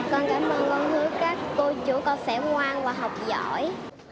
con cảm ơn con hứa các cô chú con sẽ ngoan và học giỏi